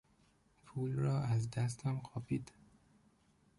پول را از دستم قاپید.